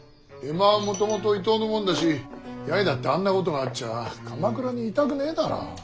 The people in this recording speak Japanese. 江間はもともと伊東のもんだし八重だってあんなことがあっちゃ鎌倉にいたくねえだろう。